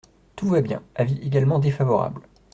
Tout va bien ! Avis également défavorable.